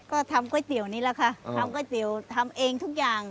ก็ทำก๋วยเตี๋ยวนี่แหละค่ะทำก๋วยเตี๋ยวทำเองทุกอย่าง